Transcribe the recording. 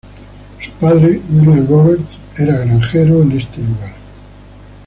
Su padre William Roberts era granjero en este lugar.